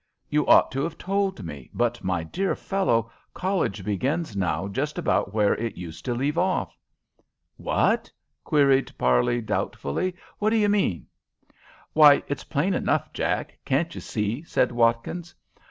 You ought to have told me, but, my dear fellow, college begins now just about where it used to leave off." "What?" queried Parley, doubtfully. "What do you mean?" "Why, it's plain enough, Jack! Can't you see?" said Watkins.